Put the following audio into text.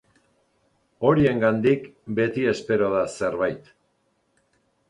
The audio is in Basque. Horiengandik beti espero da zerbait.